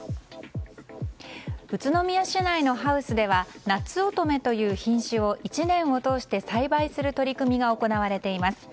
宇都宮市内のハウスではなつおとめという品種を１年を通して栽培する取り組みが行われています。